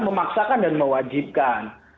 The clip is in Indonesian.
memaksakan dan mewajibkan